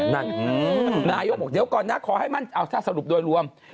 นายกบอกเดี๋ยวก่อนนะขอให้มั่นเอาถ้าสรุปโดยรวม